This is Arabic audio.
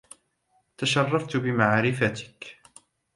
تشرفت بمعرفتك!